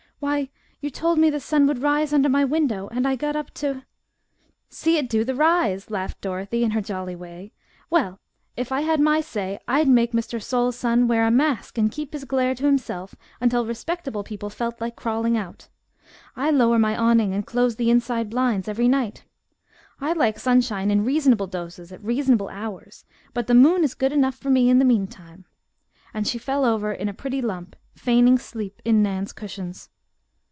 "Why, you told me the sun would rise under my window and I got up to " "See it do the rise!" laughed Dorothy, in her jolly way. "Well, if I had my say I'd make Mr. Sol Sun wear a mask and keep his glare to himself until respectable people felt like crawling out. I lower my awning and close the inside blinds every night. I like sunshine in reasonable doses at reasonable hours, but the moon is good enough for me in the meantime," and she fell over in a pretty lump, feigning sleep in Nan's cushions.